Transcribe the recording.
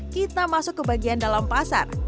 kita masuk ke bagian dalam pasar